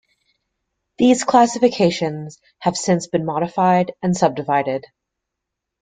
These classifications have since been modified and subdivided.